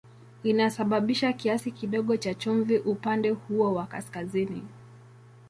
Inasababisha kiasi kidogo cha chumvi upande huo wa kaskazini.